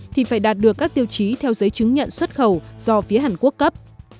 thì phải đạt được các tiêu chí theo giấy chứng nhận xuất khẩu do phía hàn quốc cấp